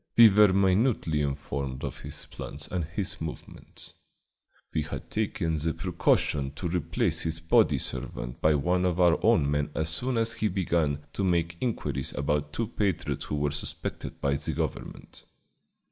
We were minutely informed of his plans and his movements. We had taken the precaution to replace his body servant by one of our own men as soon as he began to make inquiries about two patriots who were suspected by the government.